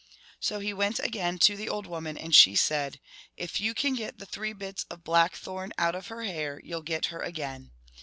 So he went again to the old woman, and she said, "If you can get the three bits of blackthorn out of her hair, you '11 get her again."